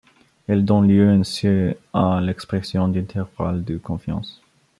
Elle donne lieu ainsi à l’expression d’intervalles de confiance.